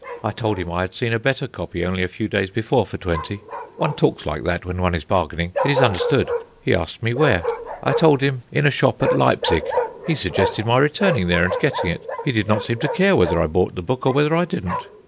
I told him I had seen a better copy only a few days before for twenty one talks like that when one is bargaining; it is understood. He asked me 'Where?' I told him in a shop at Leipsig. He suggested my returning there and getting it; he did not seem to care whether I bought the book or whether I didn't.